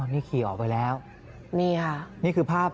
นี่ขี่ออกไปแล้วนี่ค่ะ